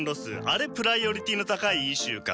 あれプライオリティーの高いイシューかと。